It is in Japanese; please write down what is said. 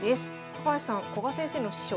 高橋さん古賀先生の師匠